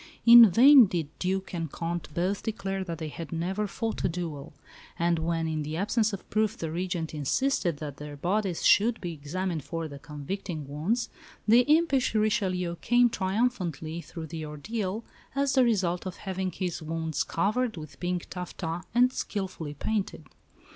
In vain did Duc and Comte both declare that they had never fought a duel; and when, in the absence of proof, the Regent insisted that their bodies should be examined for the convicting wounds, the impish Richelieu came triumphantly through the ordeal as the result of having his wounds covered with pink taffeta and skilfully painted!